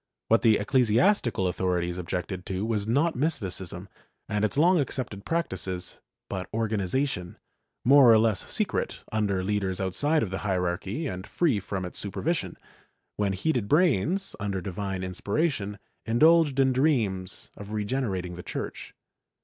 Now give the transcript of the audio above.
What the eccle siastical authorities objected to was not Mysticism and its long accepted practices, but organization, more or less secret, under leaders outside of the hierarchy and free from its supervision, when heated brains, under divine inspiration, indulged in dreams of regenerating the Church.